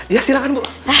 ya silakan bu